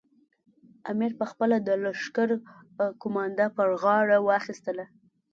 امیر پخپله د لښکر قومانده پر غاړه واخیستله.